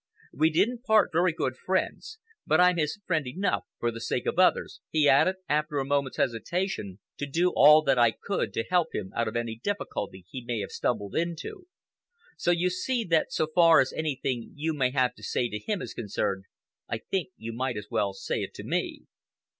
We didn't part very good friends, but I'm his friend enough—for the sake of others," he added, after a moment's hesitation, "to do all that I could to help him out of any difficulty he may have stumbled into. So you see that so far as anything you may have to say to him is concerned, I think you might as well say it to me."